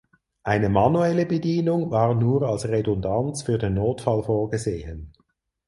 Eine manuelle Bedienung war nur als Redundanz für den Notfall vorgesehen.